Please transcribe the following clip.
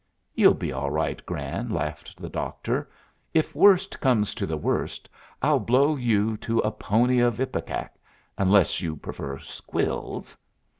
"You'll be all right, Gran," laughed the doctor. "If worst comes to the worst, I'll blow you to a pony of ipecac, unless you prefer squills."